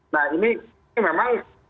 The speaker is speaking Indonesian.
nah ini memang